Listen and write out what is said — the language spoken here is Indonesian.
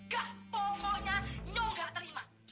gak pokoknya nyo gak terima